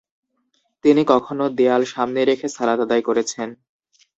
তিনি কখনো দেয়াল সামনে রেখে সালাত আদায় করেছেন।